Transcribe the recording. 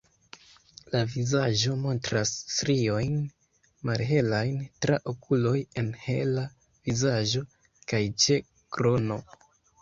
La vizaĝo montras striojn malhelajn tra okuloj -en hela vizaĝo- kaj ĉe krono.